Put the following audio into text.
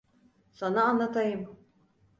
Sana anlatayım.